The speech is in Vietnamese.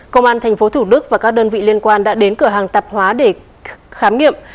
công an tp thủ đức và các đơn vị liên quan đã đến cửa hàng tạp hóa để khám nghiệm